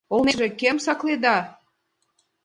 — Олмешыже кӧм сакленда?